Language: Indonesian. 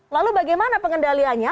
lalu bagaimana pengendaliannya